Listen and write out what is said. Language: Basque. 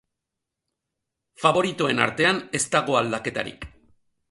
Faboritoen artean ez dago aldaketarik.